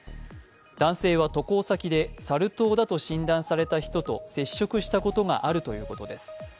男性は渡航先でサル痘だと診断された人と接触したことがあるということです。